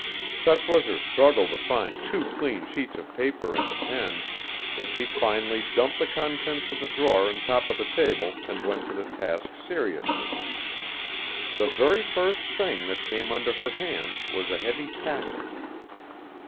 Such was her struggle to find two clean sheets of paper and a pen that she finally dumped the contents of the drawer on top of the table and went to the task seriously. The very first thing that came under her hand was a heavy packet.